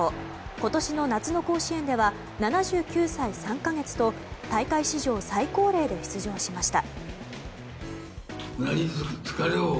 今年の夏の甲子園では７９歳３か月と大会史上最高齢で出場しました。